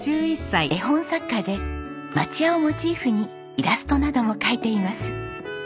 絵本作家で町家をモチーフにイラストなども描いています。